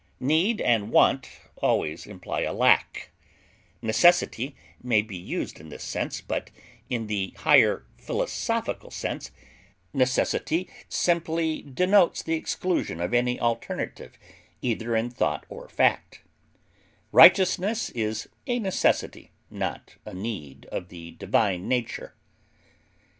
Need and want always imply a lack; necessity may be used in this sense, but in the higher philosophical sense necessity simply denotes the exclusion of any alternative either in thought or fact; righteousness is a necessity (not a need) of the divine nature.